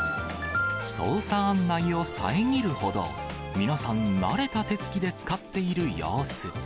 操作案内を遮るほど、皆さん、慣れた手つきで使っている様子。